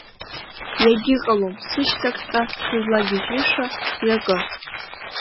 Иагьыҟалом сышҭахьҟа сызлагьажьыша мҩакы.